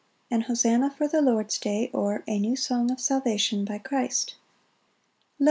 An hosanna for the Lord's day; or, A new song of salvation by Christ. 1 Lo!